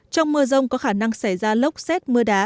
trong mưa rông có khả năng xảy ra lốc xét mưa đá